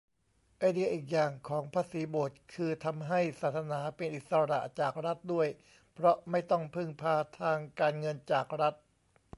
ไอเดียอีกอย่างของภาษีโบสถ์ คือทำให้ศาสนาเป็นอิสระจากรัฐด้วย เพราะไม่ต้องพึ่งพาทางการเงินจากรัฐ